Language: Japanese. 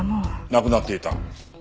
亡くなっていた？